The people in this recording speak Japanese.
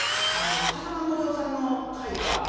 風間杜夫さんの回が。